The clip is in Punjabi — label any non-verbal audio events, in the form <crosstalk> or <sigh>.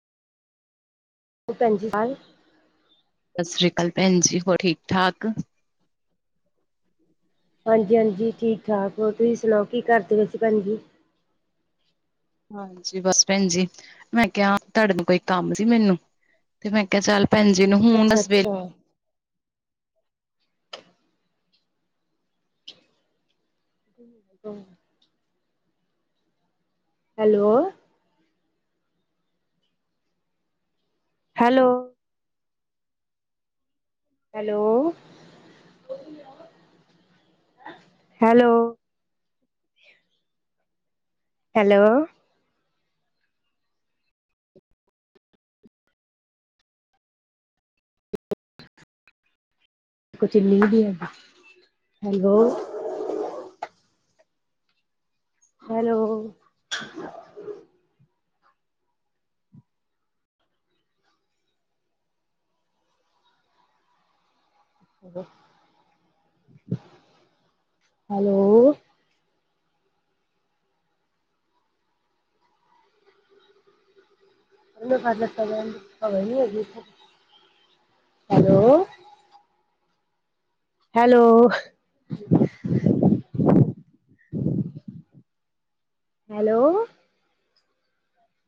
<unintelligible> ਸਤਿ ਸ੍ਰੀ ਅਕਾਲ ਭੈਣ ਜੀ ਹੋਰ ਠੀਕ ਠਾਕ ਹਾਂਜੀ ਹਾਂਜੀ ਠੀਕ ਠਾਕ ਹੋਰ ਤੁਸੀਂ ਸੁਣਾਓ ਕੀ ਕਰਦੇ ਪਏ ਸੀ ਭੈਣ ਜੀ ਹਾਂਜੀ ਬਸ ਭੈਣ ਜੀ ਮੈਂ ਕਿਹਾ ਤੁਹਾਡੇ ਨੂੰ ਕੋਈ ਕੰਮ ਸੀ ਮੈਨੂੰ ਤੇ ਮੈਂ ਕਿਹਾ ਚੱਲ ਪੈਨਜੀੇ ਨੂੰ ਹੁਣ ਅੱਛਾ ਦੱਸ ਅੱਛਾ। <unintelligible> ਹੈਲੋ ਹੈਲੋ ਹੈਲੋ-ਹੈਲੋ ਹੈਲੋ ਕੁਛ ਇੰਨੀ ਵੀ ਹੈਗੀ hello hello hello hello hello hello